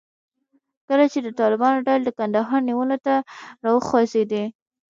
کله چې د طالبانو ډلې د کندهار نیولو ته راوخوځېدې.